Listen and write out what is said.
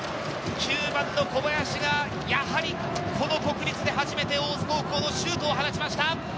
９番の小林がやはり国立で初めて大津高校のシュートを放ちました。